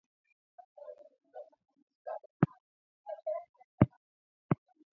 sisi kama wakaazi kupitia ile tunaita